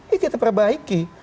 ya kita perbaiki